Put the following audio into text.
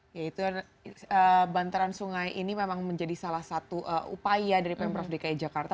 yaitu bantaran sungai ini memang menjadi salah satu upaya dari pemprov dki jakarta